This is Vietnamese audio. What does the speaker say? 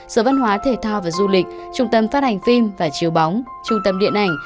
sở văn hóa thể thao và du lịch trung tâm phát hành phim và chiếu bóng trung tâm điện ảnh